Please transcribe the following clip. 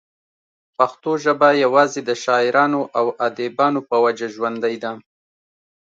پښتو ژبه يوازې دَشاعرانو او اديبانو پۀ وجه ژوندۍ ده